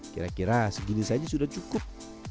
kira kira segini saja sudah cukup